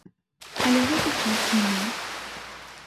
Але гэты час мінуў.